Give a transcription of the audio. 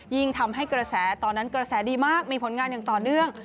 ทำให้กระแสตอนนั้นกระแสดีมากมีผลงานอย่างต่อเนื่อง